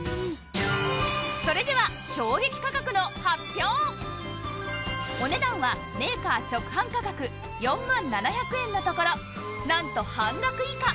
それではお値段はメーカー直販価格４万７００円のところなんと半額以下！